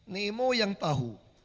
nemo yang tahu